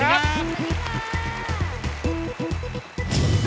สวัสดีครับสวัสดีครับ